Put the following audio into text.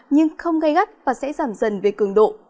nhưng không gây gắt và sẽ giảm dần về cường độ